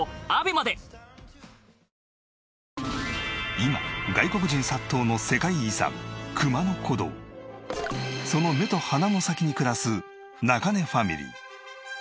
今外国人殺到のその目と鼻の先に暮らす中根ファミリー。